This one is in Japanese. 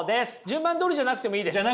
順番どおりじゃなくてもいいです。